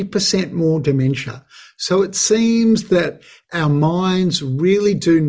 menurut saya pikiran kita benar benar membutuhkan